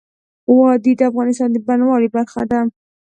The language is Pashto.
وادي د افغانستان د بڼوالۍ برخه ده.